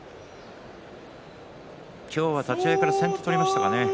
今日は立ち合いから先手を取りましたか？